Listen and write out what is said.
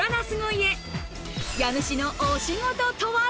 家主のお仕事とは？